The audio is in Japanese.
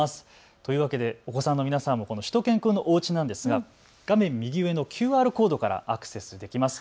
という訳でお子さんの皆さんもしゅと犬くんのおうちですが、画面右上のＱＲコードからアクセスすることができます。